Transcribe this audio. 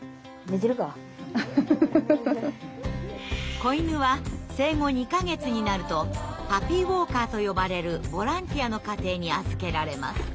子犬は生後２か月になるとパピーウォーカーと呼ばれるボランティアの家庭に預けられます。